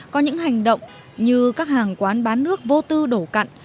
có những hành động như các hàng quán bán nước vô tư đổ cặn